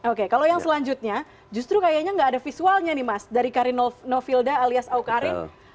oke kalau yang selanjutnya justru kayaknya nggak ada visualnya nih mas dari kari novilda alias awkarin